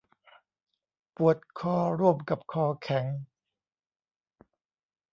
ปวดคอร่วมกับคอแข็ง